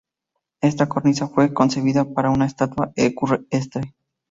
Esta cornisa fue concebida para una estatua ecuestre.